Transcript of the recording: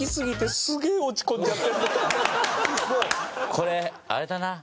これあれだな。